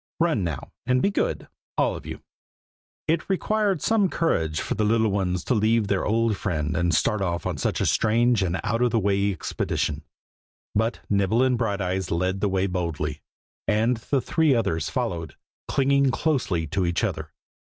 Run, now, and be good, all of you!" It required some courage for the little ones to leave their old friend and start off on such a strange and out of the way expedition; but Nibble and Brighteyes led the way boldly, and the three others followed, clinging closely to each other.